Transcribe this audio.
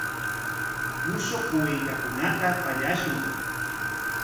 Mushkuq waytakunata pallamushun.